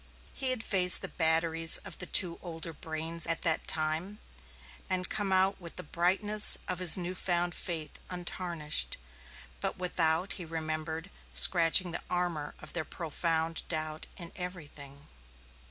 He had faced the batteries of the two older brains at that time, and come out with the brightness of his new found faith untarnished, but without, he remembered, scratching the armor of their profound doubt in everything.